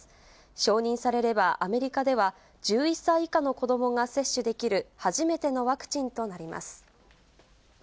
承認されれば、アメリカでは１１歳以下の子どもが接種できる初めてのワクチンとなります。